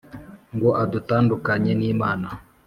ngo adutandukanye n’Imana